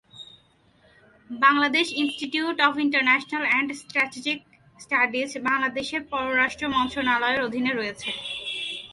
Bangladesh Institute of International and Strategic Studies বাংলাদেশের পররাষ্ট্র মন্ত্রণালয়ের অধীনে রয়েছে।